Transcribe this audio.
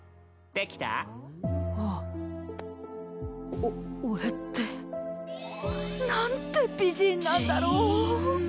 お俺って。なんて美人なんだろう。